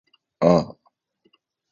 ぁー